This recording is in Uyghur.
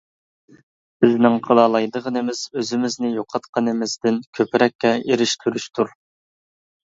بىزنىڭ قىلالايدىغىنىمىز ئۆزىمىزنى يوقاتقىنىمىزدىن كۆپرەككە ئېرىشتۈرۈشتۇر.